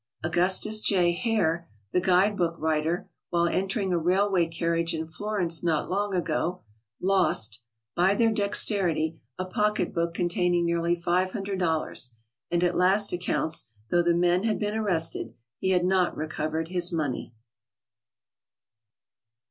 Augustus J. Hare, the guide book writer, while entering a railway carriage in Flor ence not long ago, lost* by their dexterity a pocket book containing nearly $500, and at last accounts, though the men had been arrested, he had not recovered his money.